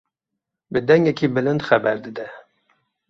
Bi dengekî bilind xeber dide.